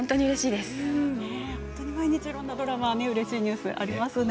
毎日、いろんなドラマうれしいニュースがありますね。